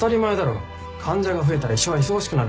患者が増えたら医者は忙しくなるんだから。